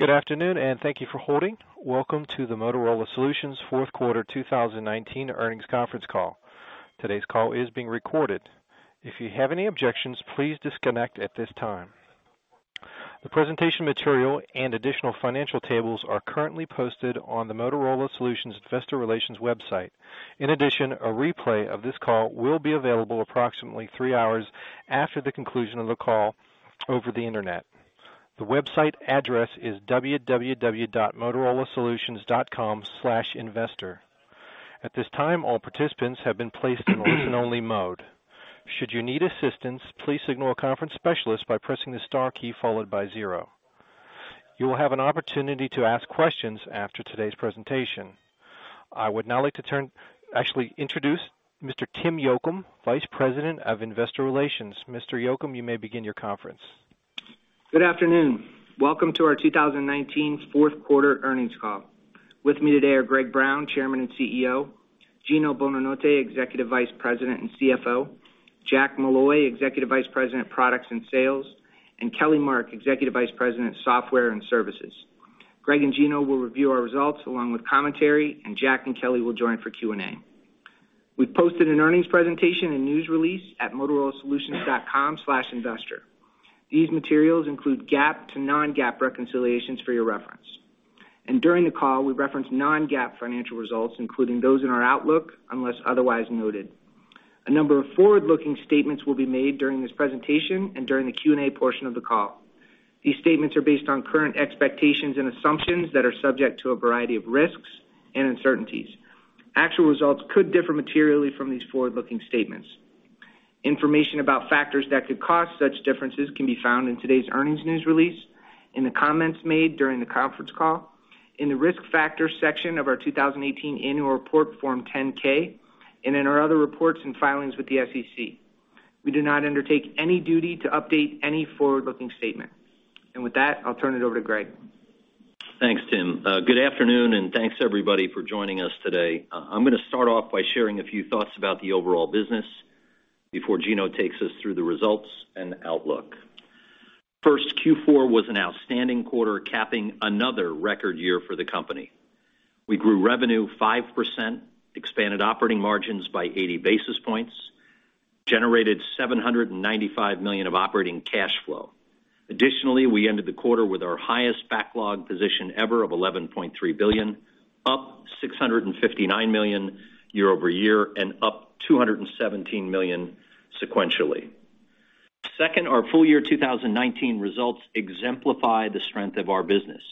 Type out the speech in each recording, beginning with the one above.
Good afternoon, and thank you for holding. Welcome to the Motorola Solutions Q4 2019 Earnings Conference Call. Today's call is being recorded. If you have any objections, please disconnect at this time. The presentation material and additional financial tables are currently posted on the Motorola Solutions Investor Relations website. In addition, a replay of this call will be available approximately 3 hours after the conclusion of the call over the Internet. The website address is www.motorolasolutions.com/investor. At this time, all participants have been placed in listen-only mode. Should you need assistance, please signal a conference specialist by pressing the star key followed by zero. You will have an opportunity to ask questions after today's presentation. I would now like to actually introduce Mr. Tim Yocum, Vice President of Investor Relations. Mr. Yocum, you may begin your conference. Good afternoon. Welcome to our 2019 Q4 earnings call. With me today are Greg Brown, Chairman and CEO; Gino Bonanotte, Executive Vice President and CFO; Jack Molloy, Executive Vice President, Products and Sales; and Kelly Mark, Executive Vice President, Software and Services. Greg and Gino will review our results along with commentary, and Jack and Kelly will join for Q&A. We've posted an earnings presentation and news release at motorolasolutions.com/investor. These materials include GAAP to non-GAAP reconciliations for your reference. During the call, we reference non-GAAP financial results, including those in our outlook, unless otherwise noted. A number of forward-looking statements will be made during this presentation and during the Q&A portion of the call. These statements are based on current expectations and assumptions that are subject to a variety of risks and uncertainties. Actual results could differ materially from these forward-looking statements. Information about factors that could cause such differences can be found in today's earnings news release, in the comments made during the conference call, in the Risk Factors section of our 2018 annual report, Form 10-K, and in our other reports and filings with the SEC. We do not undertake any duty to update any forward-looking statement. With that, I'll turn it over to Greg. Thanks, Tim. Good afternoon, and thanks, everybody, for joining us today. I'm gonna start off by sharing a few thoughts about the overall business before Gino takes us through the results and outlook. First, Q4 was an outstanding quarter, capping another record year for the company. We grew revenue 5%, expanded operating margins by 80 basis points, generated $795 million of operating cash flow. Additionally, we ended the quarter with our highest backlog position ever of $11.3 billion, up $659 million year-over-year, and up $217 million sequentially. Second, our full year 2019 results exemplify the strength of our business.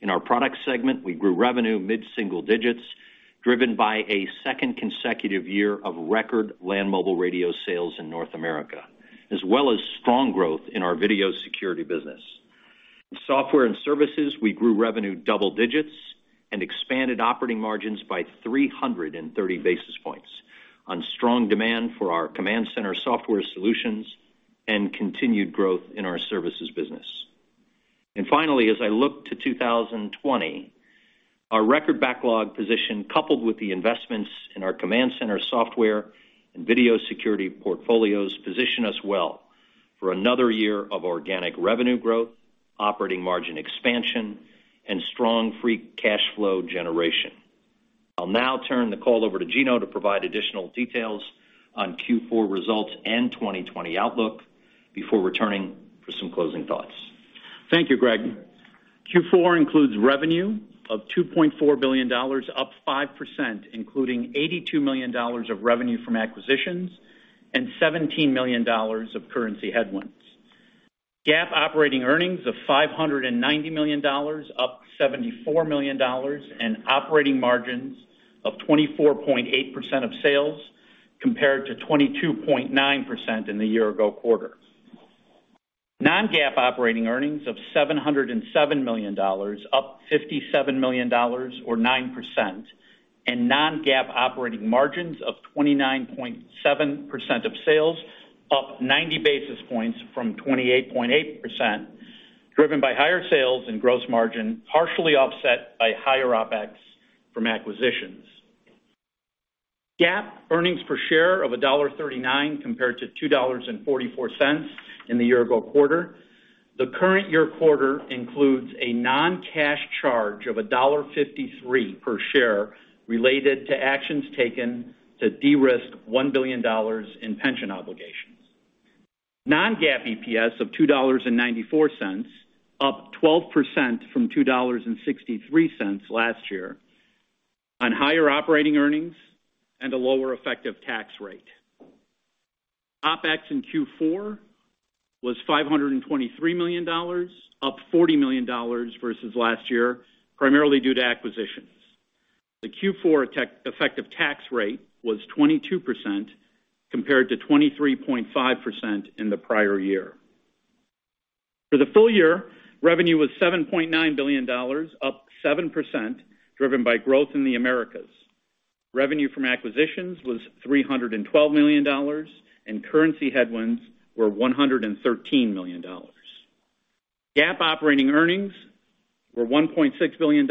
In our product segment, we grew revenue mid-single digits, driven by a second consecutive year of record land mobile radio sales in North America, as well as strong growth in our video security business. In software and services, we grew revenue double digits and expanded operating margins by 330 basis points on strong demand for our Command Center software solutions and continued growth in our services business. And finally, as I look to 2020, our record backlog position, coupled with the investments in our Command Center software and video security portfolios, position us well for another year of organic revenue growth, operating margin expansion, and strong free cash flow generation. I'll now turn the call over to Gino to provide additional details on Q4 results and 2020 outlook before returning for some closing thoughts. Thank you, Greg. Q4 includes revenue of $2.4 billion, up 5%, including $82 million of revenue from acquisitions and $17 million of currency headwinds. GAAP operating earnings of $590 million, up $74 million, and operating margins of 24.8% of sales, compared to 22.9% in the year-ago quarter. Non-GAAP operating earnings of $707 million, up $57 million or 9%, and non-GAAP operating margins of 29.7% of sales, up 90 basis points from 28.8%, driven by higher sales and gross margin, partially offset by higher OpEx from acquisitions. GAAP earnings per share of $1.39, compared to $2.44 in the year-ago quarter. The current year quarter includes a non-cash charge of $1.53 per share related to actions taken to de-risk $1 billion in pension obligations. Non-GAAP EPS of $2.94, up 12% from $2.63 last year on higher operating earnings and a lower effective tax rate. OpEx in Q4 was $523 million, up $40 million versus last year, primarily due to acquisitions. The Q4 effective tax rate was 22%, compared to 23.5% in the prior year. For the full year, revenue was $7.9 billion, up 7%, driven by growth in the Americas. Revenue from acquisitions was $312 million, and currency headwinds were $113 million. GAAP operating earnings were $1.6 billion,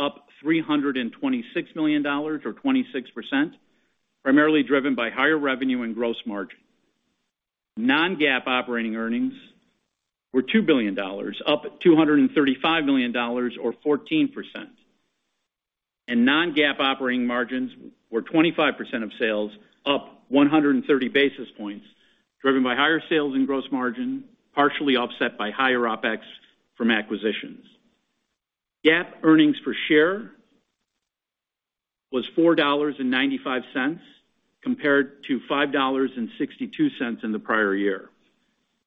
up $326 million, or 26%, primarily driven by higher revenue and gross margin. Non-GAAP operating earnings were $2 billion, up $235 million or 14%. Non-GAAP operating margins were 25% of sales, up 130 basis points, driven by higher sales and gross margin, partially offset by higher OpEx from acquisitions. GAAP earnings per share was $4.95 compared to $5.62 in the prior year.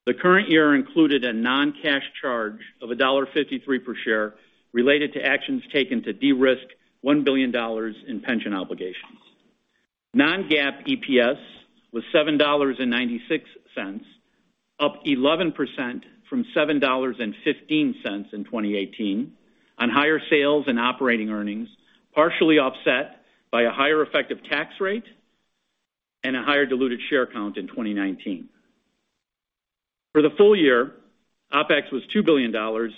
The current year included a non-cash charge of $1.53 per share, related to actions taken to de-risk $1 billion in pension obligations. Non-GAAP EPS was $7.96, up 11% from $7.15 in 2018, on higher sales and operating earnings, partially offset by a higher effective tax rate and a higher diluted share count in 2019. For the full year, OpEx was $2 billion,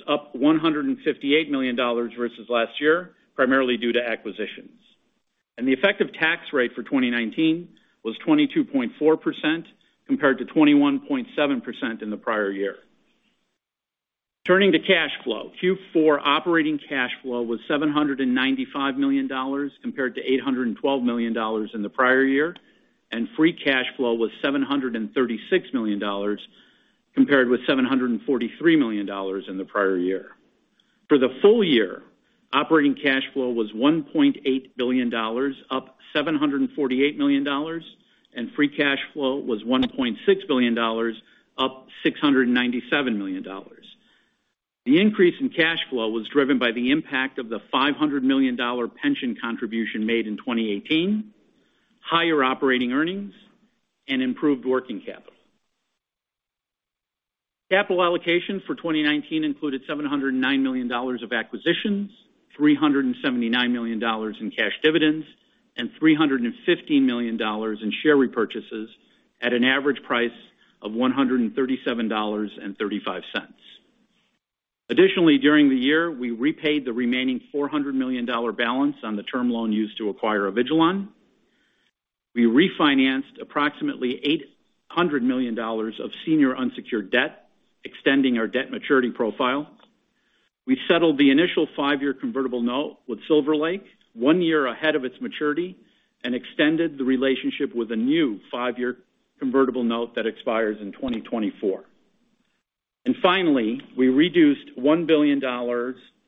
up $158 million versus last year, primarily due to acquisitions. The effective tax rate for 2019 was 22.4%, compared to 21.7% in the prior year. Turning to cash flow. Q4 operating cash flow was $795 million, compared to $812 million in the prior year, and free cash flow was $736 million, compared with $743 million in the prior year. For the full year, operating cash flow was $1.8 billion, up $748 million, and free cash flow was $1.6 billion, up $697 million. The increase in cash flow was driven by the impact of the $500 million pension contribution made in 2018, higher operating earnings, and improved working capital. Capital allocation for 2019 included $709 million of acquisitions, $379 million in cash dividends, and $315 million in share repurchases at an average price of $137.35. Additionally, during the year, we repaid the remaining $400 million balance on the term loan used to acquire Avigilon. We refinanced approximately $800 million of senior unsecured debt, extending our debt maturity profile. We settled the initial 5-year convertible note with Silver Lake, 1 year ahead of its maturity, and extended the relationship with a new 5-year convertible note that expires in 2024. And finally, we reduced $1 billion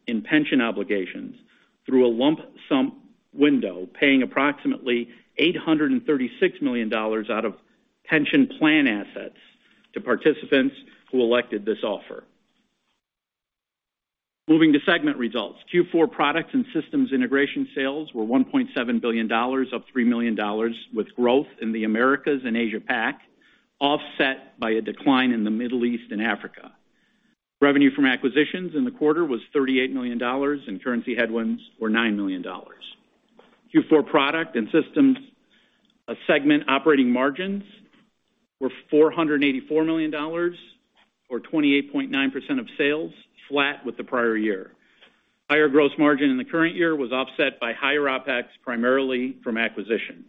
in pension obligations through a lump sum window, paying approximately $836 million out of pension plan assets to participants who elected this offer. Moving to segment results. Q4 products and systems integration sales were $1.7 billion, up $3 million, with growth in the Americas and Asia Pac, offset by a decline in the Middle East and Africa. Revenue from acquisitions in the quarter was $38 million, and currency headwinds were $9 million. Q4 product and systems segment operating margins were $484 million, or 28.9% of sales, flat with the prior year. Higher gross margin in the current year was offset by higher OpEx, primarily from acquisitions.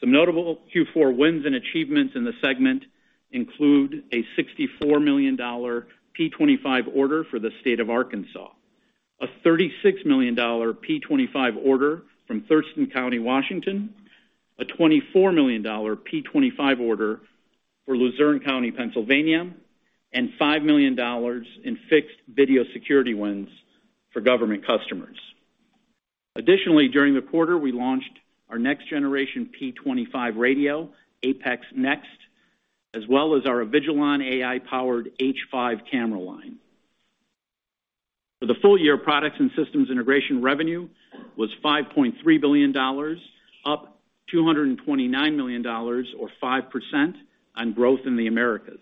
Some notable Q4 wins and achievements in the segment include a $64 million P25 order for the State of Arkansas, a $36 million P25 order from Thurston County, Washington, a $24 million P25 order for Luzerne County, Pennsylvania, and $5 million in fixed video security wins for government customers. Additionally, during the quarter, we launched our next-generation P25 radio, APX NEXT, as well as our Avigilon AI-powered H5 camera line. For the full year, products and systems integration revenue was $5.3 billion, up $229 million, or 5%, on growth in the Americas.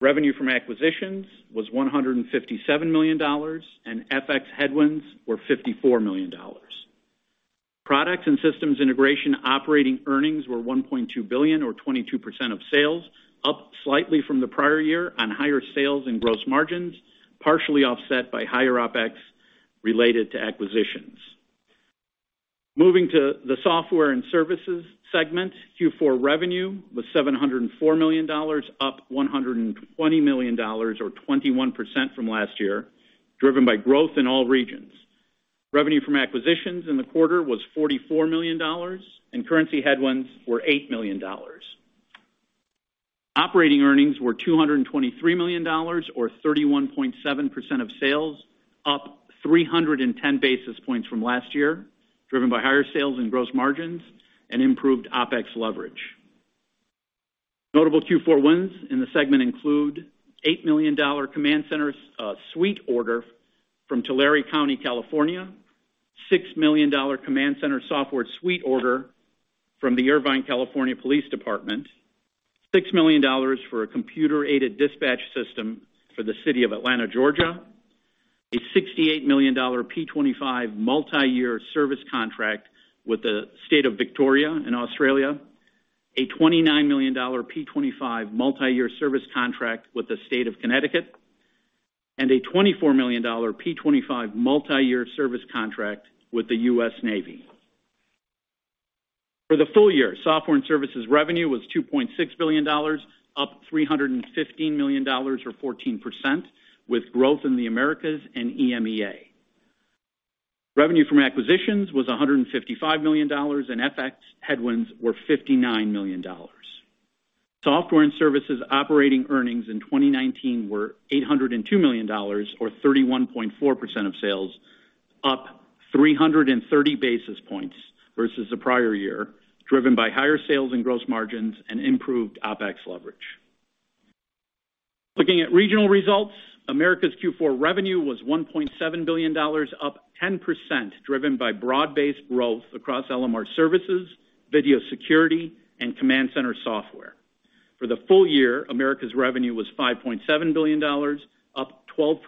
Revenue from acquisitions was $157 million, and FX headwinds were $54 million. Products and systems integration operating earnings were $1.2 billion, or 22% of sales, up slightly from the prior year on higher sales and gross margins, partially offset by higher OpEx related to acquisitions. Moving to the software and services segment. Q4 revenue was $704 million, up $120 million, or 21% from last year, driven by growth in all regions. Revenue from acquisitions in the quarter was $44 million, and currency headwinds were $8 million. Operating earnings were $223 million or 31.7% of sales, up 310 basis points from last year, driven by higher sales and gross margins and improved OpEx leverage. Notable Q4 wins in the segment include $8 million command center suite order from Tulare County, California, $6 million command center software suite order from the Irvine, California Police Department, $6 million for a computer-aided dispatch system for the City of Atlanta, Georgia, a $68 million P25 multi-year service contract with the State of Victoria in Australia, a $29 million P25 multi-year service contract with the State of Connecticut, and a $24 million P25 multi-year service contract with the U.S. Navy. For the full year, software and services revenue was $2.6 billion, up $315 million or 14%, with growth in the Americas and EMEA. Revenue from acquisitions was $155 million, and FX headwinds were $59 million. Software and services operating earnings in 2019 were $802 million, or 31.4% of sales, up 330 basis points versus the prior year, driven by higher sales and gross margins and improved OpEx leverage. Looking at regional results, Americas Q4 revenue was $1.7 billion, up 10%, driven by broad-based growth across LMR services, video security, and command center software. For the full year, Americas revenue was $5.7 billion, up 12%,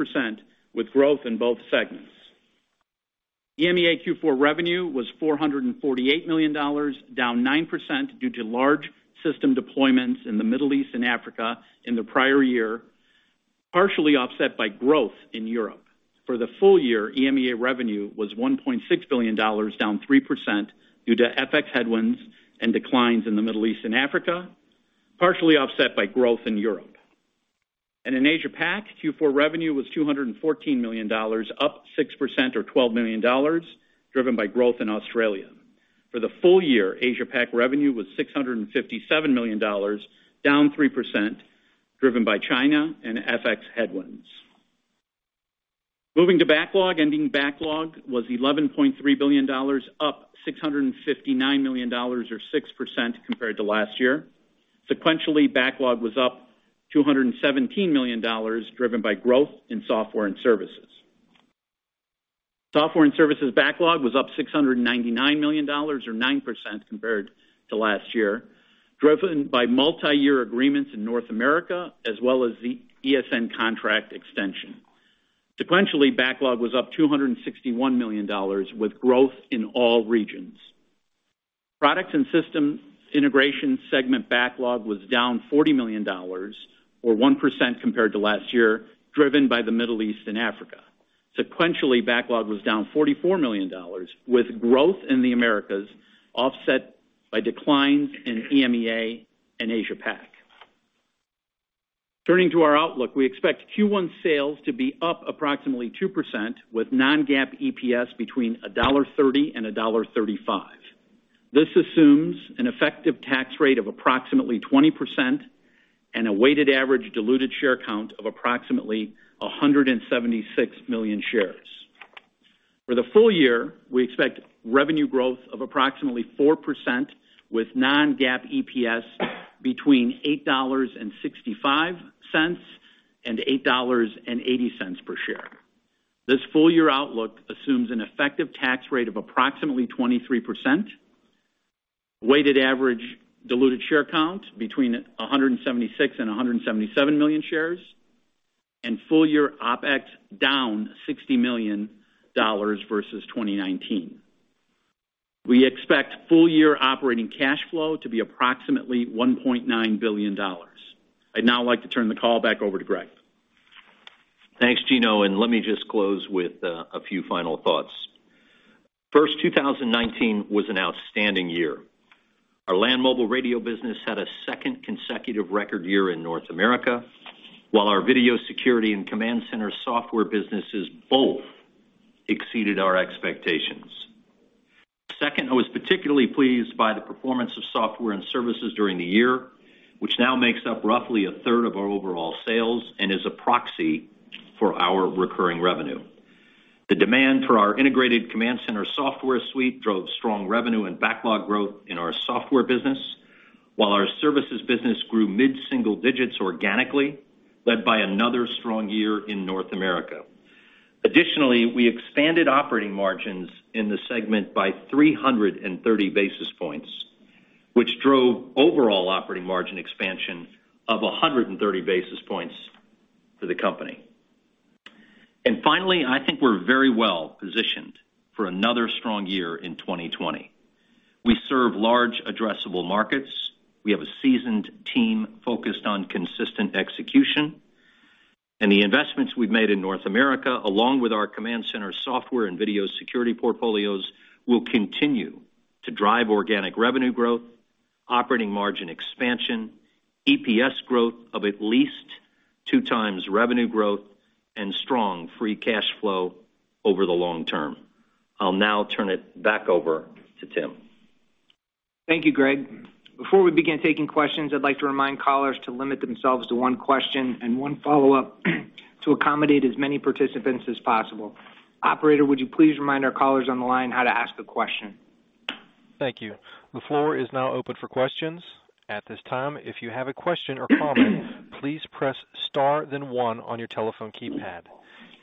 with growth in both segments. EMEA Q4 revenue was $448 million, down 9%, due to large system deployments in the Middle East and Africa in the prior year, partially offset by growth in Europe. For the full year, EMEA revenue was $1.6 billion, down 3%, due to FX headwinds and declines in the Middle East and Africa, partially offset by growth in Europe. In Asia Pac, Q4 revenue was $214 million, up 6% or $12 million, driven by growth in Australia. For the full year, Asia Pac revenue was $657 million, down 3%, driven by China and FX headwinds. Moving to backlog, ending backlog was $11.3 billion, up $659 million or 6% compared to last year. Sequentially, backlog was up $217 million, driven by growth in software and services. Software and services backlog was up $699 million or 9% compared to last year, driven by multi-year agreements in North America, as well as the ESN contract extension. Sequentially, backlog was up $261 million, with growth in all regions. Products and systems integration segment backlog was down $40 million, or 1% compared to last year, driven by the Middle East and Africa. Sequentially, backlog was down $44 million, with growth in the Americas, offset by declines in EMEA and Asia Pac. Turning to our outlook, we expect Q1 sales to be up approximately 2%, with non-GAAP EPS between $1.30 and $1.35. This assumes an effective tax rate of approximately 20% and a weighted average diluted share count of approximately 176 million shares. For the full year, we expect revenue growth of approximately 4%, with non-GAAP EPS between $8.65 and $8.80 per share. This full year outlook assumes an effective tax rate of approximately 23%, weighted average diluted share count between 176 and 177 million shares, and full year OpEx down $60 million versus 2019. We expect full year operating cash flow to be approximately $1.9 billion. I'd now like to turn the call back over to Greg. Thanks, Gino, and let me just close with a few final thoughts. First, 2019 was an outstanding year. Our Land Mobile Radio business had a second consecutive record year in North America, while our video security and command center software businesses both exceeded our expectations. Second, I was particularly pleased by the performance of software and services during the year, which now makes up roughly a third of our overall sales and is a proxy for our recurring revenue. The demand for our integrated Command Center Software Suite drove strong revenue and backlog growth in our software business, while our services business grew mid-single digits organically, led by another strong year in North America. Additionally, we expanded operating margins in the segment by 330 basis points, which drove overall operating margin expansion of 130 basis points for the company. Finally, I think we're very well positioned for another strong year in 2020. We serve large addressable markets, we have a seasoned team focused on consistent execution, and the investments we've made in North America, along with our Command Center software and video security portfolios, will continue to drive organic revenue growth, operating margin expansion, EPS growth of at least 2x revenue growth, and strong free cash flow over the long term. I'll now turn it back over to Tim. Thank you, Greg. Before we begin taking questions, I'd like to remind callers to limit themselves to one question and one follow-up, to accommodate as many participants as possible. Operator, would you please remind our callers on the line how to ask a question? Thank you. The floor is now open for questions. At this time, if you have a question or comment, please press Star, then one on your telephone keypad.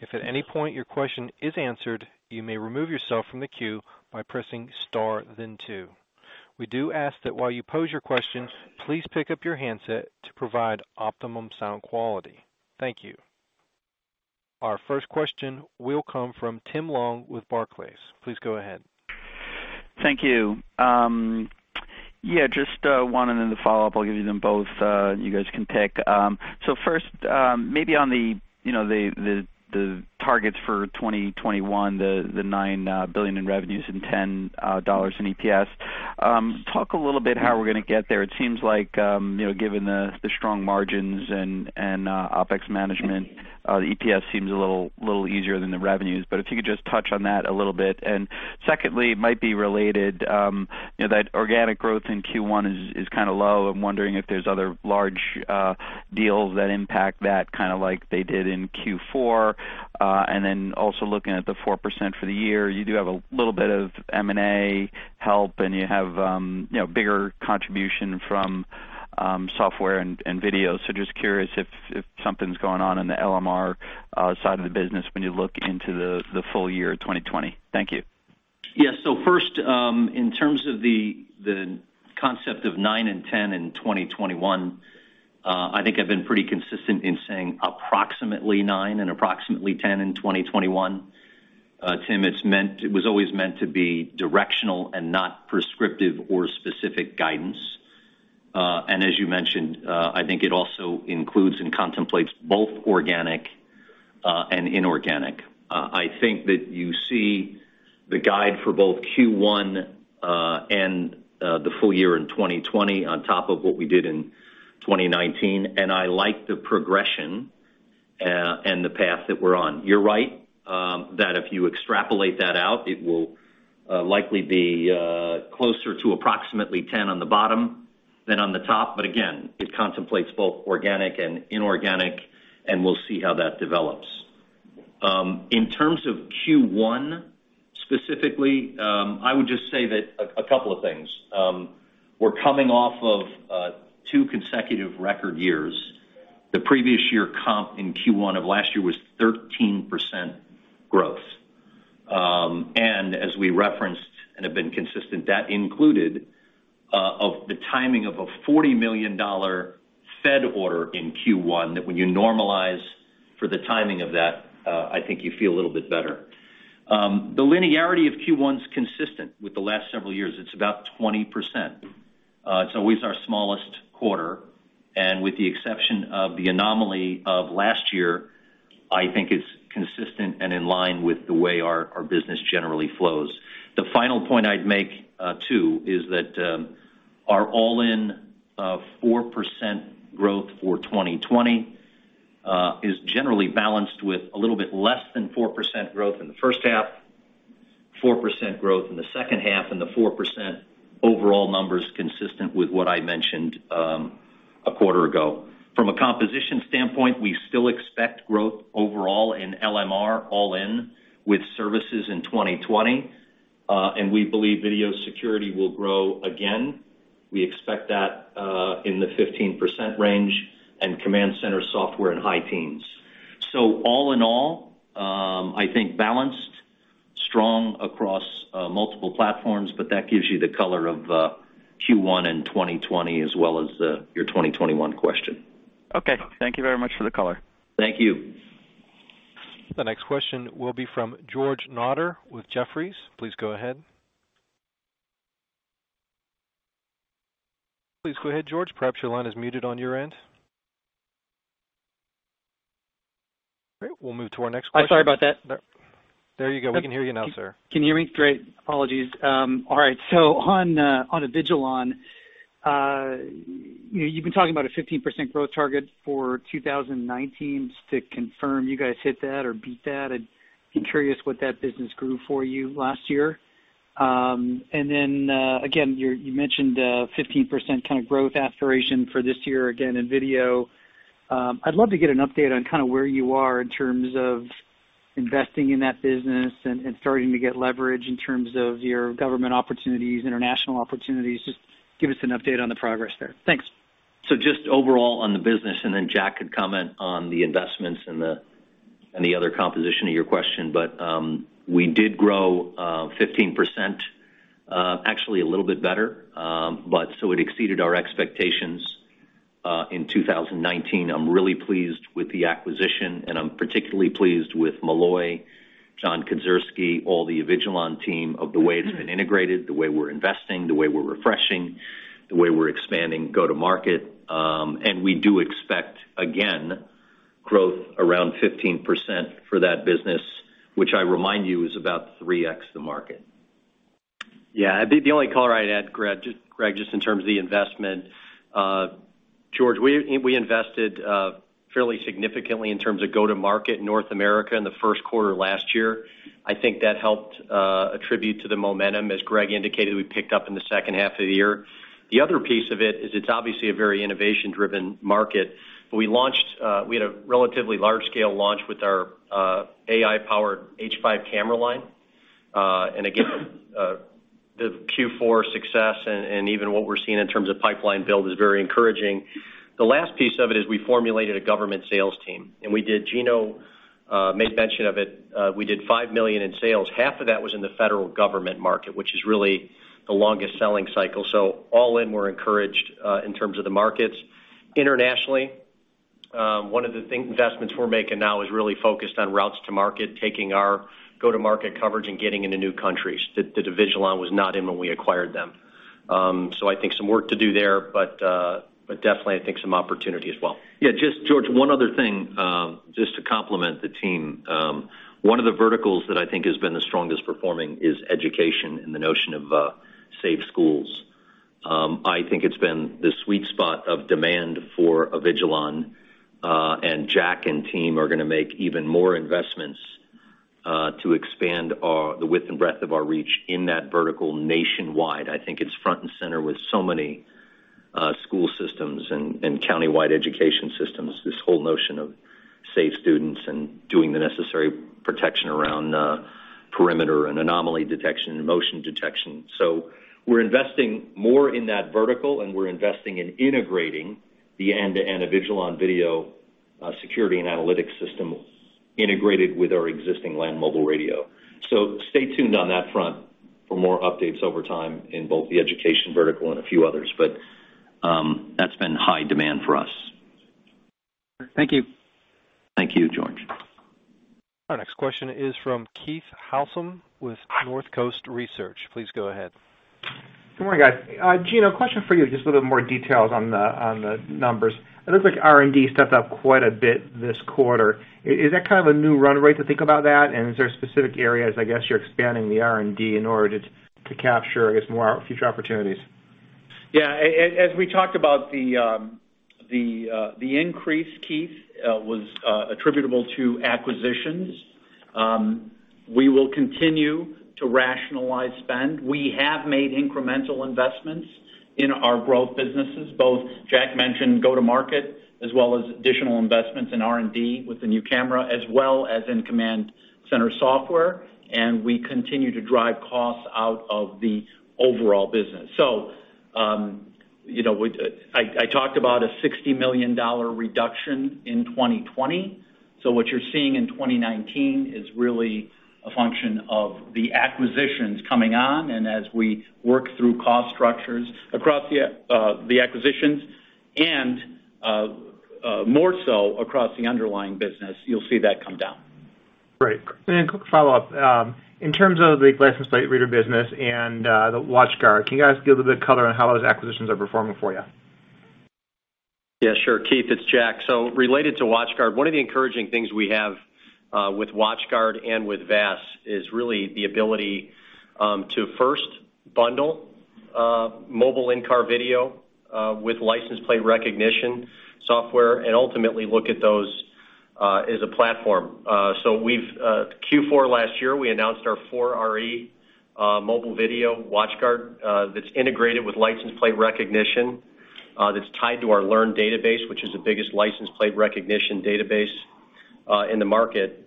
If at any point your question is answered, you may remove yourself from the queue by pressing Star, then two. We do ask that while you pose your question, please pick up your handset to provide optimum sound quality. Thank you. Our first question will come from Tim Long with Barclays. Please go ahead.... Thank you. Yeah, just one and then the follow-up. I'll give you them both. You guys can pick. So first, maybe on the, you know, the targets for 2021, the $9 billion in revenues and $10 in EPS. Talk a little bit how we're gonna get there. It seems like, you know, given the strong margins and OpEx management, the EPS seems a little easier than the revenues. But if you could just touch on that a little bit. And secondly, it might be related, you know, that organic growth in Q1 is kind of low. I'm wondering if there's other large deals that impact that, kind of like they did in Q4. And then also looking at the 4% for the year, you do have a little bit of M&A help, and you have, you know, bigger contribution from, software and, and video. So just curious if, if something's going on in the LMR side of the business when you look into the, the full year of 2020. Thank you. Yeah. So first, in terms of the concept of 9 and 10 in 2021, I think I've been pretty consistent in saying approximately 9 and approximately 10 in 2021. Tim, it was always meant to be directional and not prescriptive or specific guidance. And as you mentioned, I think it also includes and contemplates both organic and inorganic. I think that you see the guide for both Q1 and the full year in 2020 on top of what we did in 2019, and I like the progression and the path that we're on. You're right, that if you extrapolate that out, it will likely be closer to approximately 10 on the bottom than on the top. But again, it contemplates both organic and inorganic, and we'll see how that develops. In terms of Q1, specifically, I would just say that a couple of things. We're coming off of two consecutive record years. The previous year comp in Q1 of last year was 13% growth. And as we referenced, and have been consistent, that included the timing of a $40 million Fed order in Q1, that when you normalize for the timing of that, I think you feel a little bit better. The linearity of Q1 is consistent with the last several years, it's about 20%. It's always our smallest quarter, and with the exception of the anomaly of last year, I think it's consistent and in line with the way our business generally flows. The final point I'd make, too, is that, our all-in, 4% growth for 2020, is generally balanced with a little bit less than 4% growth in the H1, 4% growth in the H2, and the 4% overall number's consistent with what I mentioned, a quarter ago. From a composition standpoint, we still expect growth overall in LMR all-in with services in 2020, and we believe video security will grow again. We expect that, in the 15% range, and command center software in high teens. So all in all, I think balanced, strong across, multiple platforms, but that gives you the color of, Q1 in 2020, as well as, your 2021 question. Okay, thank you very much for the color. Thank you. The next question will be from George Notter with Jefferies. Please go ahead. Please go ahead, George. Perhaps your line is muted on your end. Great. We'll move to our next question. I'm sorry about that. There you go. We can hear you now, sir. Can you hear me? Great. Apologies. All right. So on Avigilon, you know, you've been talking about a 15% growth target for 2019. Just to confirm, you guys hit that or beat that? I'd be curious what that business grew for you last year. And then, again, you mentioned 15% kind of growth aspiration for this year, again, in video. I'd love to get an update on kind of where you are in terms of investing in that business and starting to get leverage in terms of your government opportunities, international opportunities. Just give us an update on the progress there. Thanks. So just overall on the business, and then Jack could comment on the investments and the other composition of your question. But we did grow 15%, actually a little bit better. But so it exceeded our expectations in 2019. I'm really pleased with the acquisition, and I'm particularly pleased with Malloy, John Kedzierski, all the Avigilon team, of the way it's been integrated, the way we're investing, the way we're refreshing, the way we're expanding go-to-market. And we do expect, again, growth around 15% for that business, which I remind you, is about 3x the market. Yeah, I think the only color I'd add, Greg, just, Greg, just in terms of the investment, George, we, we invested fairly significantly in terms of go-to-market in North America in the Q1 of last year. I think that helped attribute to the momentum. As Greg indicated, we picked up in the H2 of the year. The other piece of it is it's obviously a very innovation-driven market, but we launched, we had a relatively large-scale launch with our AI-powered H5 camera line. And again, the Q4 success and even what we're seeing in terms of pipeline build is very encouraging. The last piece of it is we formulated a government sales team, and we did. Gino made mention of it, we did $5 million in sales. Half of that was in the federal government market, which is really the longest selling cycle. So all in, we're encouraged, in terms of the markets. Internationally?... One of the things investments we're making now is really focused on routes to market, taking our go-to-market coverage and getting into new countries that the Avigilon was not in when we acquired them. So I think some work to do there, but, but definitely, I think some opportunity as well. Yeah, just George, one other thing, just to compliment the team. One of the verticals that I think has been the strongest performing is education and the notion of safe schools. I think it's been the sweet spot of demand for Avigilon, and Jack and team are going to make even more investments to expand our—the width and breadth of our reach in that vertical nationwide. I think it's front and center with so many school systems and countywide education systems, this whole notion of safe students and doing the necessary protection around perimeter and anomaly detection and motion detection. So we're investing more in that vertical, and we're investing in integrating the end-to-end Avigilon video security and analytics system integrated with our existing land mobile radio. So stay tuned on that front for more updates over time in both the education vertical and a few others. But, that's been high demand for us. Thank you. Thank you, George. Our next question is from Keith Housum with Northcoast Research. Please go ahead. Good morning, guys. Gino, a question for you, just a little bit more details on the numbers. It looks like R&D stepped up quite a bit this quarter. Is that kind of a new run rate to think about that? And is there specific areas, I guess, you're expanding the R&D in order to capture, I guess, more future opportunities? Yeah, as we talked about the increase, Keith, was attributable to acquisitions. We will continue to rationalize spend. We have made incremental investments in our growth businesses. Both Jack mentioned go-to-market, as well as additional investments in R&D with the new camera, as well as in command center software, and we continue to drive costs out of the overall business. So, you know, we—I talked about a $60 million reduction in 2020. So what you're seeing in 2019 is really a function of the acquisitions coming on, and as we work through cost structures across the acquisitions and more so across the underlying business, you'll see that come down. Great. And then a quick follow-up. In terms of the license plate reader business and the WatchGuard, can you guys give a bit of color on how those acquisitions are performing for you? Yeah, sure. Keith, it's Jack. So related to WatchGuard, one of the encouraging things we have with WatchGuard and with VaaS is really the ability to first bundle mobile in-car video with license plate recognition software and ultimately look at those as a platform. So, Q4 last year, we announced our 4RE mobile video WatchGuard that's integrated with license plate recognition that's tied to our LEARN database, which is the biggest license plate recognition database in the market.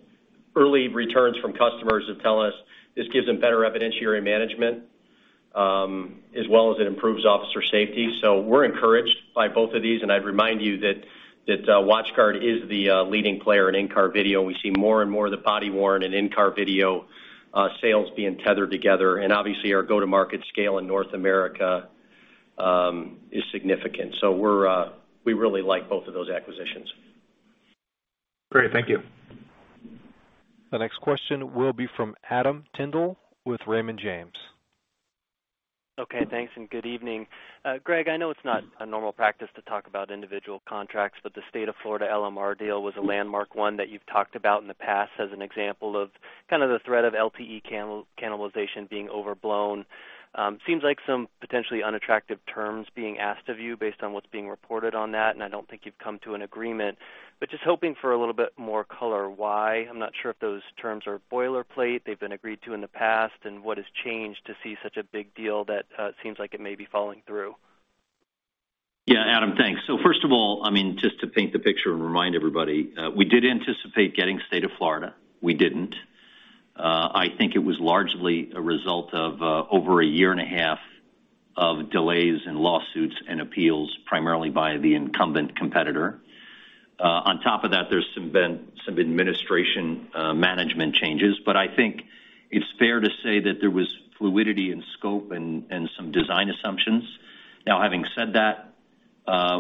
Early returns from customers have told us this gives them better evidentiary management as well as it improves officer safety. So we're encouraged by both of these, and I'd remind you that WatchGuard is the leading player in in-car video. We see more and more of the body-worn and in-car video sales being tethered together, and obviously, our go-to-market scale in North America is significant. So we really like both of those acquisitions. Great. Thank you. The next question will be from Adam Tindle with Raymond James. Okay, thanks, and good evening. Greg, I know it's not a normal practice to talk about individual contracts, but the State of Florida LMR deal was a landmark one that you've talked about in the past as an example of kind of the threat of LTE cannibalization being overblown. Seems like some potentially unattractive terms being asked of you based on what's being reported on that, and I don't think you've come to an agreement. But just hoping for a little bit more color why. I'm not sure if those terms are boilerplate, they've been agreed to in the past, and what has changed to see such a big deal that seems like it may be falling through. Yeah, Adam, thanks. So first of all, I mean, just to paint the picture and remind everybody, we did anticipate getting State of Florida. We didn't. I think it was largely a result of over a year and a half of delays and lawsuits and appeals, primarily by the incumbent competitor. On top of that, there's been some administration management changes, but I think it's fair to say that there was fluidity in scope and some design assumptions. Now, having said that,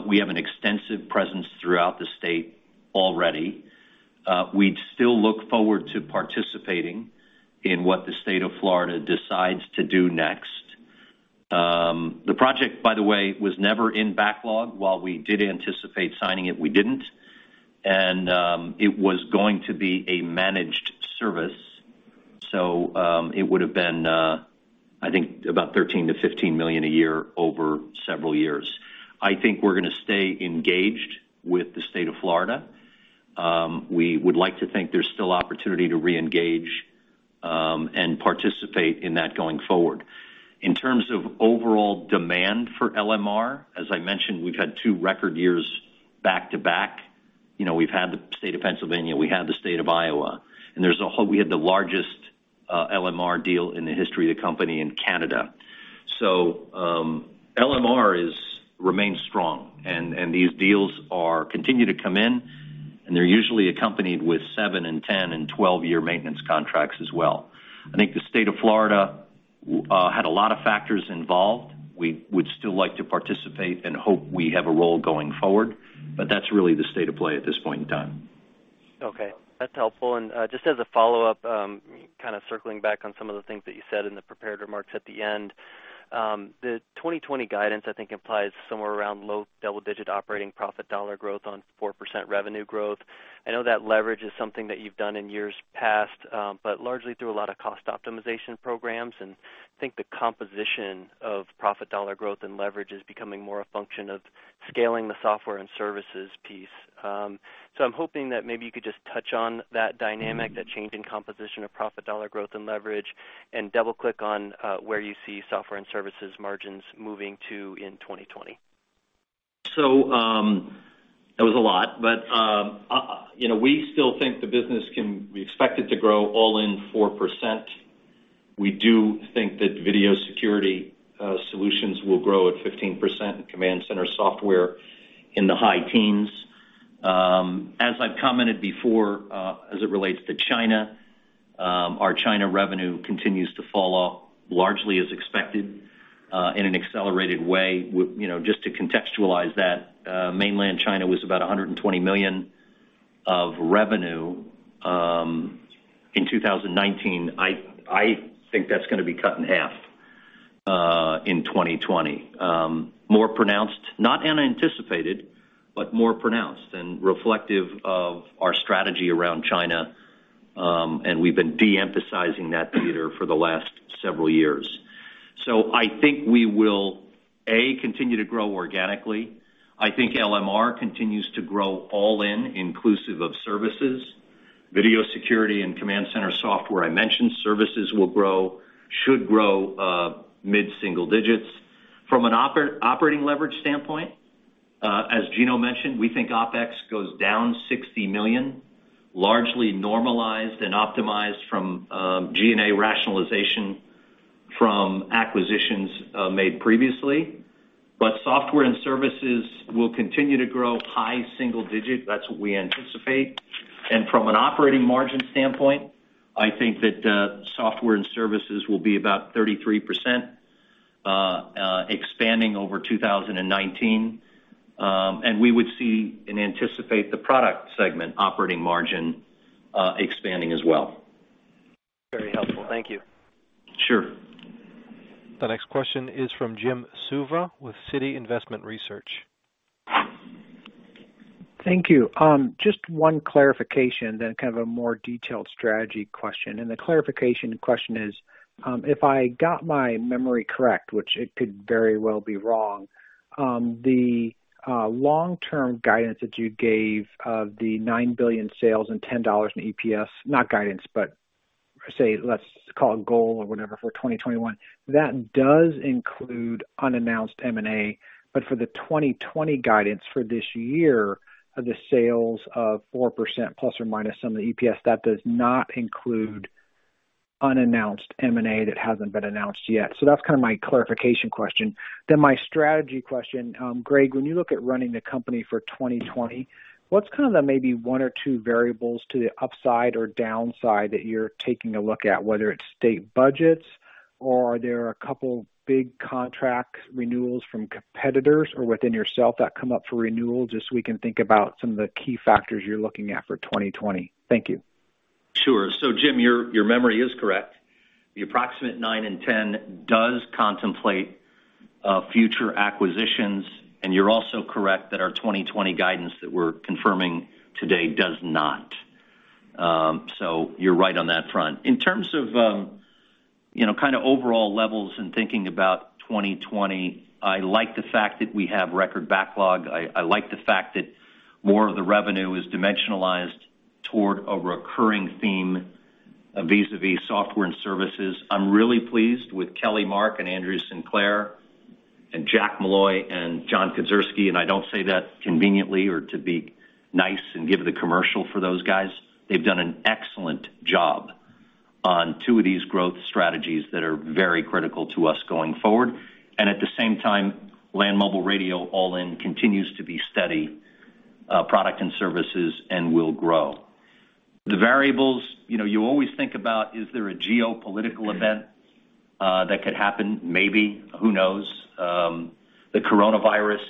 we have an extensive presence throughout the state already. We'd still look forward to participating in what the State of Florida decides to do next. The project, by the way, was never in backlog. While we did anticipate signing it, we didn't. It was going to be a managed service, so it would have been, I think about $13 million-$15 million a year over several years. I think we're going to stay engaged with the State of Florida. We would like to think there's still opportunity to reengage and participate in that going forward. In terms of overall demand for LMR, as I mentioned, we've had two record years back-to-back. You know, we've had the State of Pennsylvania, we had the State of Iowa, and there's a whole, we had the largest LMR deal in the history of the company in Canada. So, LMR remains strong, and these deals continue to come in, and they're usually accompanied with 7- and 10- and 12-year maintenance contracts as well. I think the State of Florida had a lot of factors involved. We would still like to participate and hope we have a role going forward, but that's really the state of play at this point in time. Okay, that's helpful. And, just as a follow-up, kind of circling back on some of the things that you said in the prepared remarks at the end. The 2020 guidance, I think, implies somewhere around low double-digit operating profit dollar growth on 4% revenue growth. I know that leverage is something that you've done in years past, but largely through a lot of cost optimization programs. And I think the composition of profit dollar growth and leverage is becoming more a function of scaling the software and services piece. So I'm hoping that maybe you could just touch on that dynamic, that change in composition of profit dollar growth and leverage, and double-click on where you see software and services margins moving to in 2020. So, that was a lot, but, you know, we still think the business can-- we expect it to grow all in 4%. We do think that video security solutions will grow at 15%, and command center software in the high teens. As I've commented before, as it relates to China, our China revenue continues to fall off, largely as expected, in an accelerated way. You know, just to contextualize that, Mainland China was about $120 million of revenue in 2019. I think that's gonna be cut in half in 2020. More pronounced, not unanticipated, but more pronounced and reflective of our strategy around China, and we've been de-emphasizing that theater for the last several years. So I think we will continue to grow organically. I think LMR continues to grow all in, inclusive of services, video security and command center software. I mentioned services will grow, should grow, mid-single digits. From an operating leverage standpoint, as Gino mentioned, we think OpEx goes down $60 million, largely normalized and optimized from G&A rationalization from acquisitions made previously. But software and services will continue to grow high single digit. That's what we anticipate. And from an operating margin standpoint, I think that software and services will be about 33%, expanding over 2019. And we would see and anticipate the product segment operating margin expanding as well. Very helpful. Thank you. Sure. The next question is from Jim Suva with Citi Investment Research. Thank you. Just one clarification, then kind of a more detailed strategy question. The clarification question is, if I got my memory correct, which it could very well be wrong, the long-term guidance that you gave of the $9 billion sales and $10 in EPS, not guidance, but say, let's call it goal or whatever, for 2021, that does include unannounced M&A. But for the 2020 guidance for this year, the sales of 4% plus or minus some of the EPS, that does not include unannounced M&A that hasn't been announced yet. So that's kind of my clarification question. Then my strategy question, Greg, when you look at running the company for 2020, what's kind of the maybe one or two variables to the upside or downside that you're taking a look at, whether it's state budgets or are there a couple big contract renewals from competitors or within yourself that come up for renewal, just so we can think about some of the key factors you're looking at for 2020? Thank you. Sure. So Jim, your, your memory is correct. The approximate 9 and 10 does contemplate future acquisitions, and you're also correct that our 2020 guidance that we're confirming today does not. So you're right on that front. In terms of, you know, kind of overall levels and thinking about 2020, I like the fact that we have record backlog. I, I like the fact that more of the revenue is dimensionalized toward a recurring theme vis-à-vis software and services. I'm really pleased with Kelly Mark and Andrew Sinclair and Jack Malloy and John Kedzierski, and I don't say that conveniently or to be nice and give the commercial for those guys. They've done an excellent job on two of these growth strategies that are very critical to us going forward. And at the same time, land mobile radio, all in, continues to be steady, product and services and will grow. The variables, you know, you always think about, is there a geopolitical event that could happen? Maybe. Who knows? The coronavirus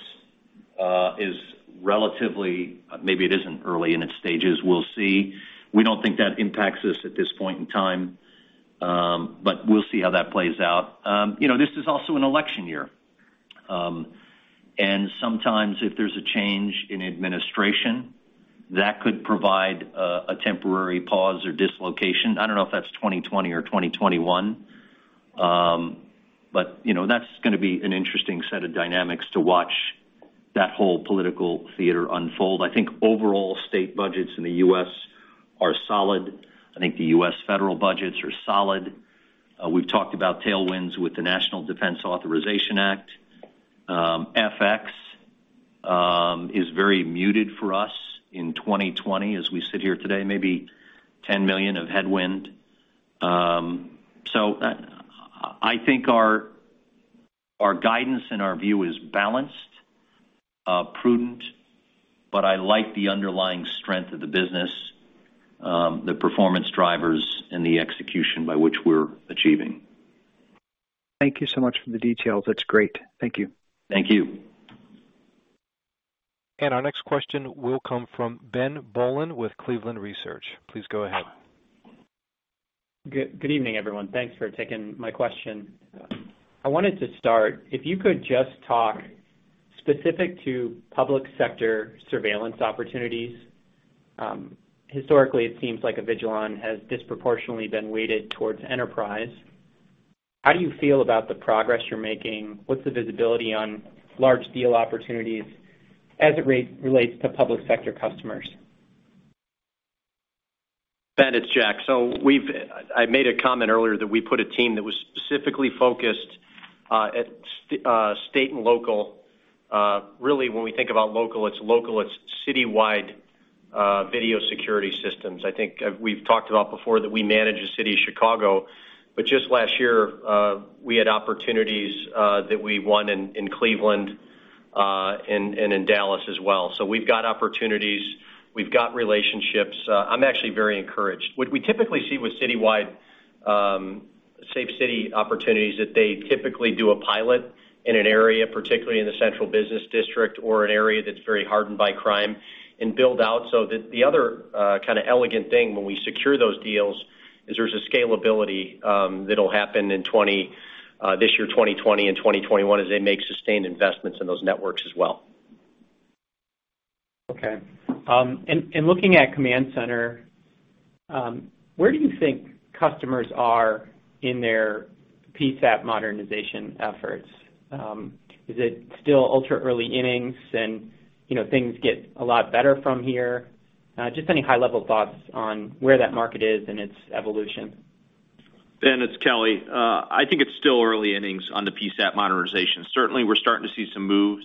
is relatively... Maybe it isn't early in its stages. We'll see. We don't think that impacts us at this point in time, but we'll see how that plays out. You know, this is also an election year. And sometimes if there's a change in administration, that could provide a temporary pause or dislocation. I don't know if that's 2020 or 2021, but, you know, that's gonna be an interesting set of dynamics to watch that whole political theater unfold. I think overall state budgets in the U.S. are solid. I think the U.S. federal budgets are solid. We've talked about tailwinds with the National Defense Authorization Act. FX is very muted for us in 2020 as we sit here today, maybe $10 million of headwind. So, I think our- ...Our guidance and our view is balanced, prudent, but I like the underlying strength of the business, the performance drivers, and the execution by which we're achieving. Thank you so much for the details. That's great. Thank you. Thank you. Our next question will come from Ben Bollin with Cleveland Research Company. Please go ahead. Good evening, everyone. Thanks for taking my question. I wanted to start, if you could just talk specific to public sector surveillance opportunities. Historically, it seems like Avigilon has disproportionately been weighted towards enterprise. How do you feel about the progress you're making? What's the visibility on large deal opportunities as it relates to public sector customers? Ben, it's Jack. I made a comment earlier that we put a team that was specifically focused at state and local. Really, when we think about local, it's local, it's citywide video security systems. I think we've talked about before that we manage the City of Chicago, but just last year we had opportunities that we won in Cleveland and in Dallas as well. So we've got opportunities, we've got relationships. I'm actually very encouraged. What we typically see with citywide safe city opportunities, that they typically do a pilot in an area, particularly in the central business district or an area that's very hardened by crime, and build out. So the other kind of elegant thing when we secure those deals is there's a scalability that'll happen in 20... This year, 2020 and 2021, as they make sustained investments in those networks as well. Okay. In looking at Command Center, where do you think customers are in their PSAP modernization efforts? Is it still ultra-early innings and, you know, things get a lot better from here? Just any high-level thoughts on where that market is in its evolution. Ben, it's Kelly. I think it's still early innings on the PSAP modernization. Certainly, we're starting to see some moves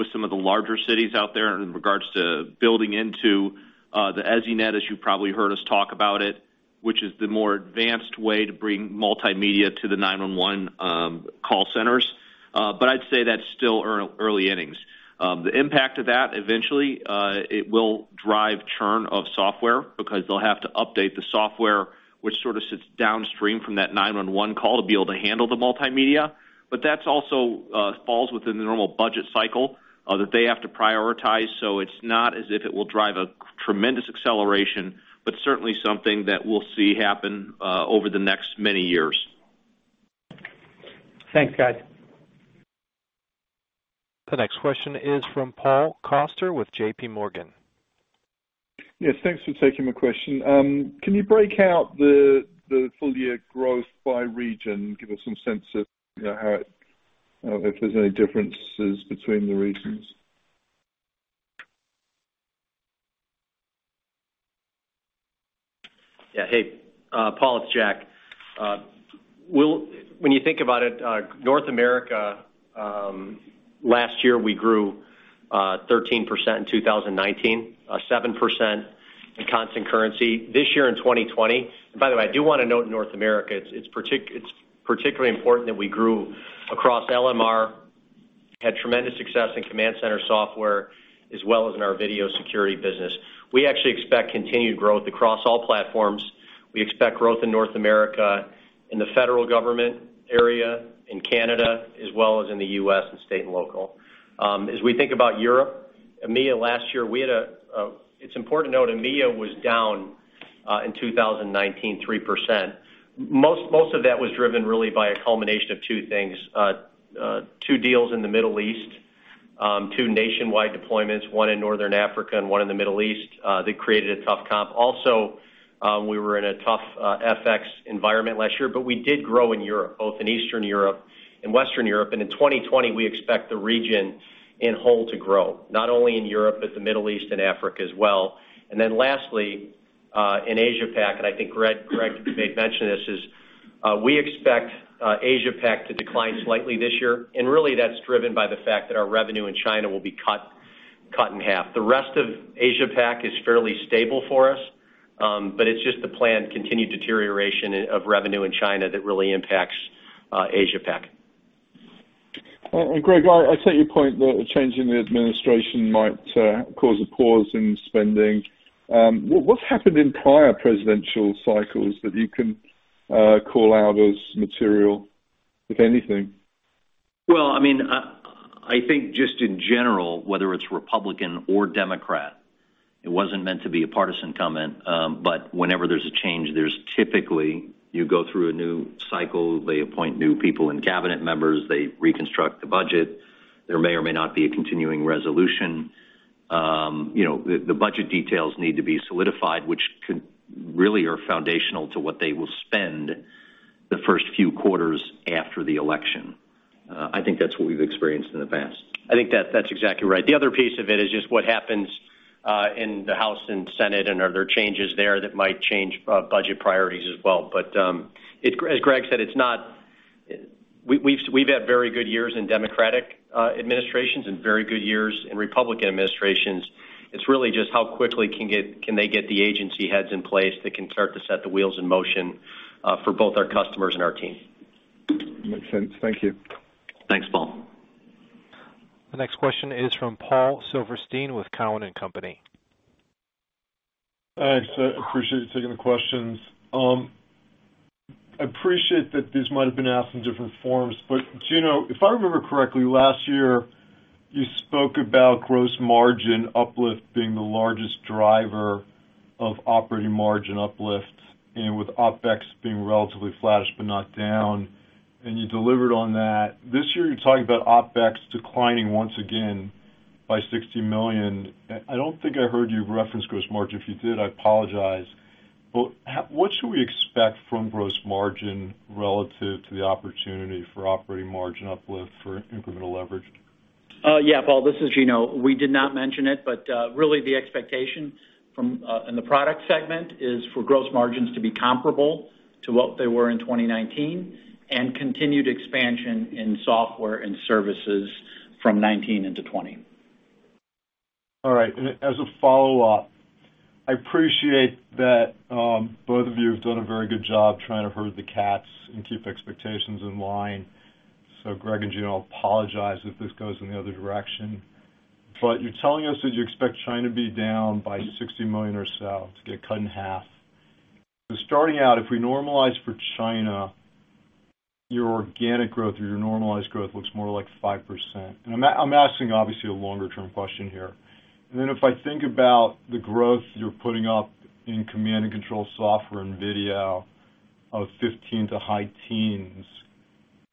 with some of the larger cities out there in regards to building into the ESInet, as you probably heard us talk about it, which is the more advanced way to bring multimedia to the 911 call centers. But I'd say that's still early innings. The impact of that, eventually, it will drive churn of software because they'll have to update the software, which sort of sits downstream from that 911 call to be able to handle the multimedia. But that's also falls within the normal budget cycle that they have to prioritize. So it's not as if it will drive a tremendous acceleration, but certainly something that we'll see happen over the next many years. Thanks, guys. The next question is from Paul Coster with J.P. Morgan. Yes, thanks for taking my question. Can you break out the, the full year growth by region? Give us some sense of, you know, how, if there's any differences between the regions. Yeah. Hey, Paul, it's Jack. We'll—when you think about it, North America, last year, we grew, 13% in 2019, 7% in constant currency. This year in 2020... By the way, I do wanna note North America, it's particularly important that we grew across LMR, had tremendous success in command center software, as well as in our video security business. We actually expect continued growth across all platforms. We expect growth in North America, in the federal government area, in Canada, as well as in the U.S., and state and local. As we think about Europe, EMEA, last year, we had a, a... It's important to note, EMEA was down, in 2019, 3%. Most of that was driven really by a culmination of two things. Two deals in the Middle East, two nationwide deployments, one in Northern Africa and one in the Middle East. They created a tough comp. Also, we were in a tough FX environment last year, but we did grow in Europe, both in Eastern Europe and Western Europe. In 2020, we expect the region in whole to grow, not only in Europe, but the Middle East and Africa as well. Then lastly, in Asia Pac, and I think Greg made mention of this, we expect Asia Pac to decline slightly this year, and really, that's driven by the fact that our revenue in China will be cut in half. The rest of Asia Pac is fairly stable for us, but it's just the planned continued deterioration of revenue in China that really impacts Asia Pac. And Greg, I take your point that a change in the administration might cause a pause in spending. What's happened in prior presidential cycles that you can call out as material, if anything? Well, I mean, I think just in general, whether it's Republican or Democrat, it wasn't meant to be a partisan comment, but whenever there's a change, there's typically you go through a new cycle, they appoint new people and cabinet members, they reconstruct the budget. There may or may not be a continuing resolution. You know, the budget details need to be solidified, which could really are foundational to what they will spend the first few quarters after the election. I think that's what we've experienced in the past. I think that's exactly right. The other piece of it is just what happens in the House and Senate, and are there changes there that might change budget priorities as well? But as Greg said, it's not. We've had very good years in Democratic administrations and very good years in Republican administrations.... It's really just how quickly can they get the agency heads in place that can start to set the wheels in motion, for both our customers and our team. Makes sense. Thank you. Thanks, Paul. The next question is from Paul Silverstein with TD Cowen. Thanks. I appreciate you taking the questions. I appreciate that this might have been asked in different forms, but Gino, if I remember correctly, last year, you spoke about gross margin uplift being the largest driver of operating margin uplift, and with OpEx being relatively flatish, but not down, and you delivered on that. This year, you're talking about OpEx declining once again by $60 million. I don't think I heard you reference gross margin. If you did, I apologize, but what should we expect from gross margin relative to the opportunity for operating margin uplift for incremental leverage? Yeah, Paul, this is Gino. We did not mention it, but really, the expectation in the product segment is for gross margins to be comparable to what they were in 2019, and continued expansion in software and services from 2019 into 2020. All right. And as a follow-up, I appreciate that, both of you have done a very good job trying to herd the cats and keep expectations in line. So Greg, and Gino, I apologize if this goes in the other direction, but you're telling us that you expect China to be down by $60 million or so, to get cut in half. So starting out, if we normalize for China, your organic growth or your normalized growth looks more like 5%. And I'm asking, obviously, a longer-term question here. And then if I think about the growth you're putting up in command and control software and video of 15%-high teens,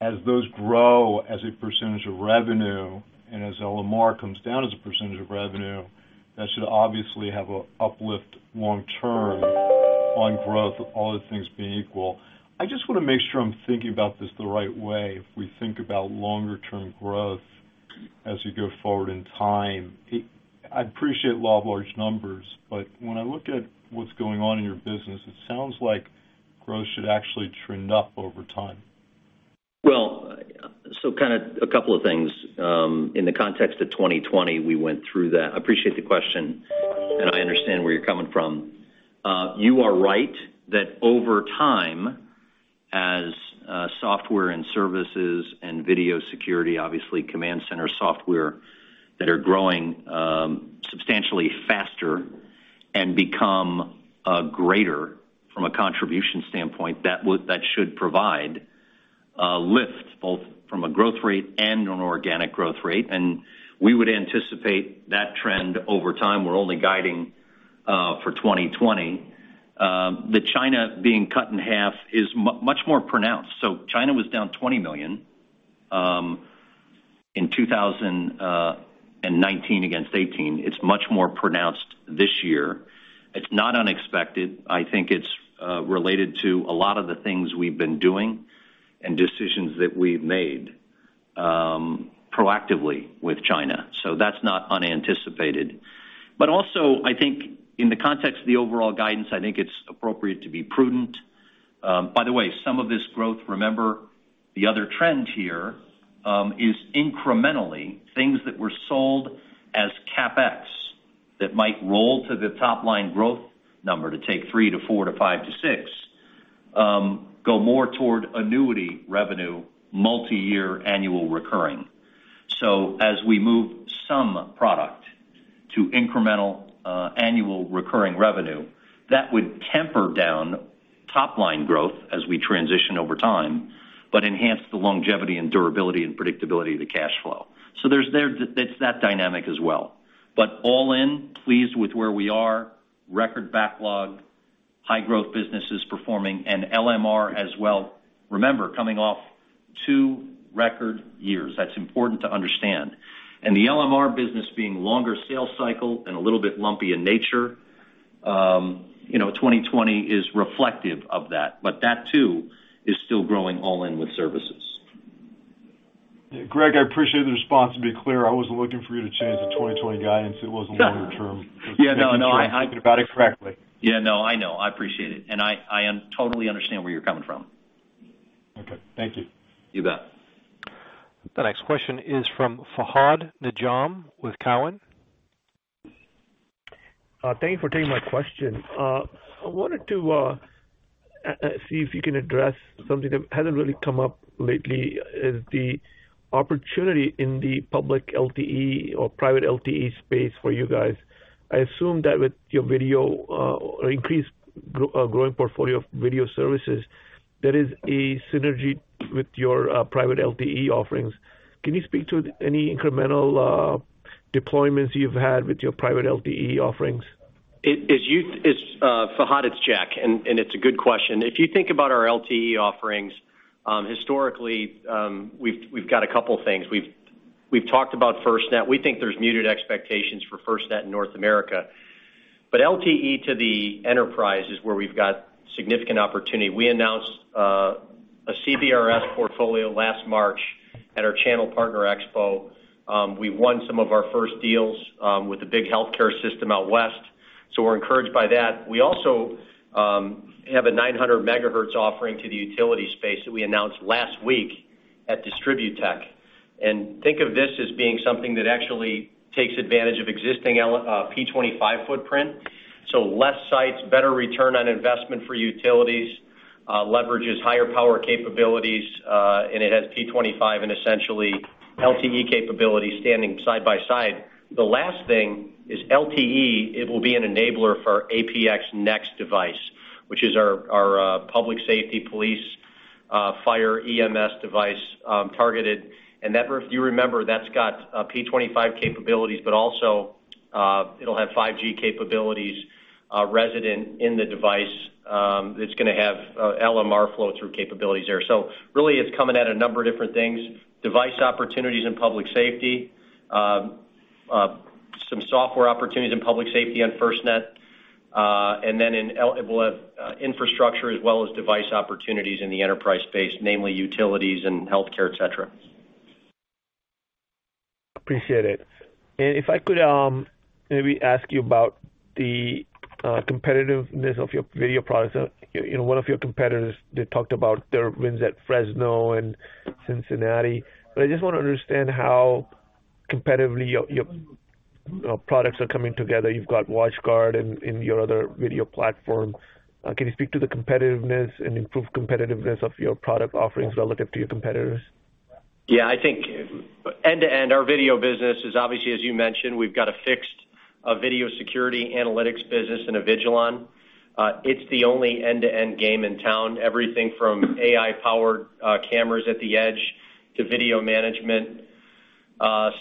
as those grow as a percentage of revenue, and as LMR comes down as a percentage of revenue, that should obviously have a uplift long-term on growth, all other things being equal. I just wanna make sure I'm thinking about this the right way. If we think about longer term growth as you go forward in time, it. I appreciate law of large numbers, but when I look at what's going on in your business, it sounds like growth should actually trend up over time. Well, so kinda a couple of things. In the context of 2020, we went through that. I appreciate the question, and I understand where you're coming from. You are right that over time, as software and services and video security, obviously, command center software, that are growing substantially faster and become greater from a contribution standpoint, that would, that should provide a lift, both from a growth rate and an organic growth rate, and we would anticipate that trend over time. We're only guiding for 2020. The China being cut in half is much more pronounced. So China was down $20 million in 2019 against 2018. It's much more pronounced this year. It's not unexpected. I think it's related to a lot of the things we've been doing and decisions that we've made proactively with China, so that's not unanticipated. But also, I think in the context of the overall guidance, I think it's appropriate to be prudent. By the way, some of this growth, remember, the other trend here is incrementally, things that were sold as CapEx that might roll to the top-line growth number, to take 3 to 4 to 5 to 6, go more toward annuity revenue, multiyear annual recurring. So as we move some product to incremental annual recurring revenue, that would temper down top-line growth as we transition over time, but enhance the longevity and durability and predictability of the cash flow. So there's that, it's that dynamic as well. But all in, pleased with where we are, record backlog, high growth businesses performing, and LMR as well. Remember, coming off two record years, that's important to understand. And the LMR business being longer sales cycle and a little bit lumpy in nature, you know, 2020 is reflective of that, but that, too, is still growing all in with services. Greg, I appreciate the response. To be clear, I wasn't looking for you to change the 2020 guidance. It wasn't longer term. Yeah. No, no, I- Thinking about it correctly. Yeah, no, I know. I appreciate it, and I totally understand where you're coming from. Okay, thank you. You bet. The next question is from Fahad Najam with Loop Capital Markets. Thank you for taking my question. I wanted to see if you can address something that hasn't really come up lately, is the opportunity in the public LTE or private LTE space for you guys. I assume that with your video or increased growing portfolio of video services, there is a synergy with your private LTE offerings. Can you speak to any incremental deployments you've had with your private LTE offerings? It's Fahad, it's Jack, and it's a good question. If you think about our LTE offerings, historically, we've got a couple things. We've talked about FirstNet. We think there's muted expectations for FirstNet in North America, but LTE to the enterprise is where we've got significant opportunity. We announced a CBRS portfolio last March at our channel partner expo. We won some of our first deals with the big healthcare system out west. ... So we're encouraged by that. We also have a 900 MHz offering to the utility space that we announced last week at Distributech. And think of this as being something that actually takes advantage of existing P25 footprint, so less sites, better return on investment for utilities, leverages higher power capabilities, and it has P25 and essentially LTE capabilities standing side by side. The last thing is LTE, it will be an enabler for our APX Next device, which is our public safety police, fire EMS device targeted. And that, if you remember, that's got P25 capabilities, but also, it'll have 5G capabilities resident in the device. It's gonna have LMR flow through capabilities there. So really, it's coming at a number of different things, device opportunities in public safety, some software opportunities in public safety on FirstNet, and then it will have, infrastructure as well as device opportunities in the enterprise space, namely utilities and healthcare, et cetera. Appreciate it. And if I could, maybe ask you about the competitiveness of your video products. You know, one of your competitors, they talked about their wins at Fresno and Cincinnati. But I just wanna understand how competitively your products are coming together. You've got WatchGuard and your other video platform. Can you speak to the competitiveness and improved competitiveness of your product offerings relative to your competitors? Yeah, I think end-to-end, our video business is obviously, as you mentioned, we've got a fixed, video security analytics business and an Avigilon. It's the only end-to-end game in town, everything from AI-powered, cameras at the edge, to video management,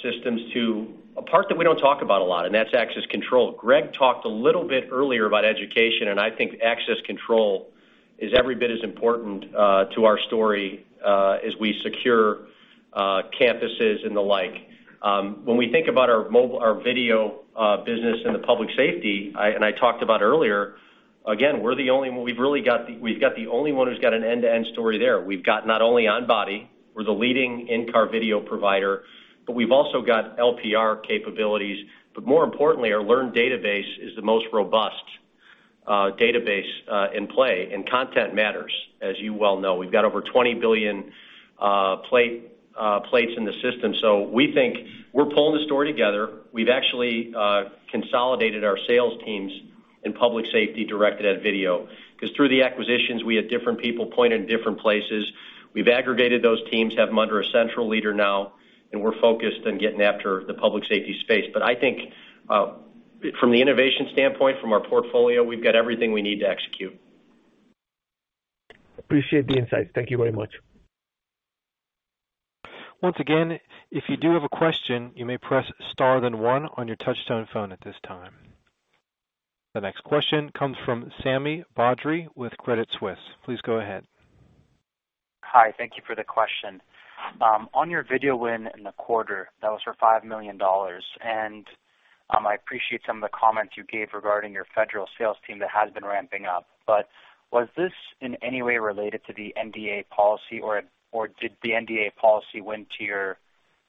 systems, to a part that we don't talk about a lot, and that's access control. Greg talked a little bit earlier about education, and I think access control is every bit as important, to our story, as we secure, campuses and the like. When we think about our mobile—our video, business in the public safety, and I talked about earlier, again, we're the only one. We've got the only one who's got an end-to-end story there. We've got not only on body, we're the leading in-car video provider, but we've also got LPR capabilities. But more importantly, our LEARN database is the most robust database in play, and content matters, as you well know. We've got over 20 billion plates in the system. So we think we're pulling the story together. We've actually consolidated our sales teams in public safety directed at video. 'Cause through the acquisitions, we had different people pointed in different places. We've aggregated those teams, have them under a central leader now, and we're focused on getting after the public safety space. But I think, from the innovation standpoint, from our portfolio, we've got everything we need to execute. Appreciate the insights. Thank you very much. Once again, if you do have a question, you may press star, then one on your touchtone phone at this time. The next question comes from Sami Badri with Cisco. Please go ahead. Hi, thank you for the question. On your video win in the quarter, that was for $5 million, and I appreciate some of the comments you gave regarding your federal sales team that has been ramping up. But was this in any way related to the NDAA policy, or, or did the NDAA policy win to your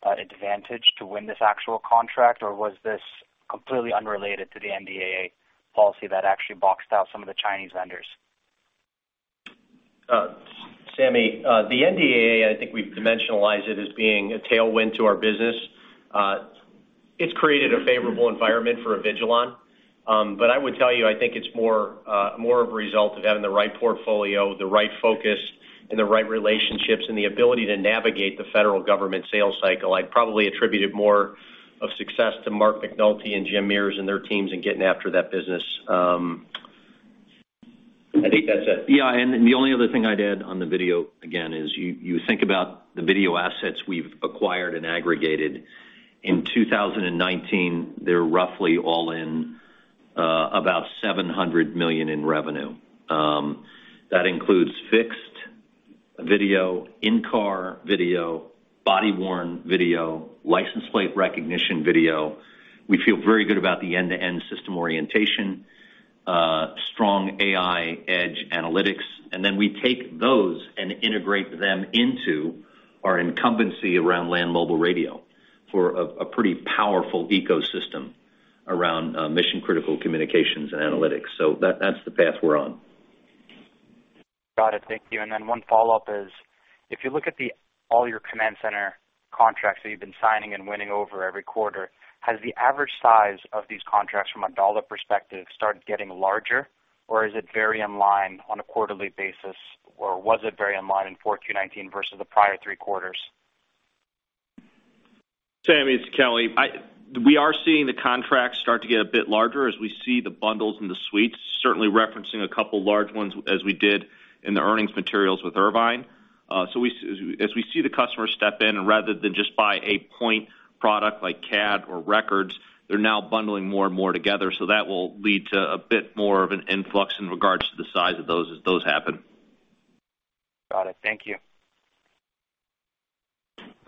advantage to win this actual contract, or was this completely unrelated to the NDAA policy that actually boxed out some of the Chinese vendors? Sami, the NDAA, I think we've dimensionalized it as being a tailwind to our business. It's created a favorable environment for Avigilon. But I would tell you, I think it's more, more of a result of having the right portfolio, the right focus and the right relationships, and the ability to navigate the federal government sales cycle. I'd probably attribute it more of success to Mark McNulty and Jim Mears and their teams in getting after that business. I think that's it. Yeah, and the only other thing I'd add on the video, again, is you think about the video assets we've acquired and aggregated. In 2019, they're roughly all in, about $700 million in revenue. That includes fixed video, in-car video, body-worn video, license plate recognition video. We feel very good about the end-to-end system orientation, strong AI edge analytics, and then we take those and integrate them into our incumbency around land mobile radio, for a pretty powerful ecosystem around, mission-critical communications and analytics. So that's the path we're on. Got it. Thank you. And then one follow-up is, if you look at the, all your command center contracts that you've been signing and winning over every quarter, has the average size of these contracts from a dollar perspective, started getting larger, or is it very in line on a quarterly basis, or was it very in line in Q4 2019 versus the prior three quarters? Sammy, it's Kelly. We are seeing the contracts start to get a bit larger as we see the bundles and the suites, certainly referencing a couple large ones as we did in the earnings materials with Irvine. So as we see the customers step in, rather than just buy a point product like CAD or Records, they're now bundling more and more together, so that will lead to a bit more of an influx in regards to the size of those, as those happen. Got it. Thank you.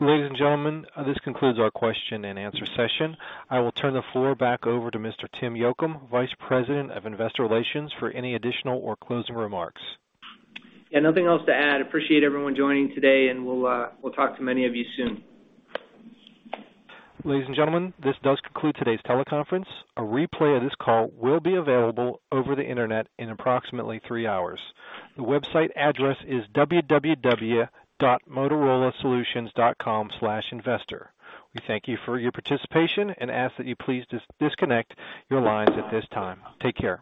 Ladies and gentlemen, this concludes our question-and-answer session. I will turn the floor back over to Mr. Tim Yocum, Vice President of Investor Relations, for any additional or closing remarks. Yeah, nothing else to add. Appreciate everyone joining today, and we'll, we'll talk to many of you soon. Ladies and gentlemen, this does conclude today's teleconference. A replay of this call will be available over the Internet in approximately three hours. The website address is www.motorolasolutions.com/investor. We thank you for your participation and ask that you please disconnect your lines at this time. Take care.